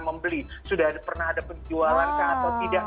membeli sudah pernah ada penjualan atau tidak